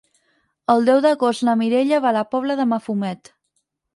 El deu d'agost na Mireia va a la Pobla de Mafumet.